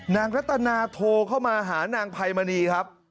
รัตนาโทรเข้ามาหานางไพมณีครับ